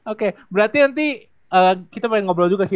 oke berarti nanti kita pengen ngobrol juga sih